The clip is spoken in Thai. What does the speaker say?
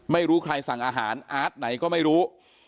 ไม่รู้ใครสั่งอาหารอาร์ตไหนก็ไม่รู้